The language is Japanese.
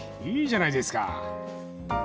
いいじゃないですか！